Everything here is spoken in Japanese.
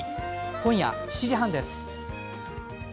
今夜７時半です。